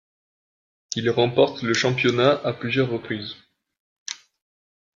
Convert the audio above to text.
Il remporte le championnat à plusieurs reprises.